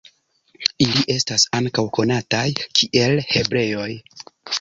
Ili estas ankaŭ konataj kiel hebreoj.